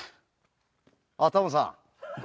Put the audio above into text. あっタモさん。